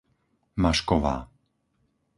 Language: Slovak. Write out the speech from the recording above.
Mašková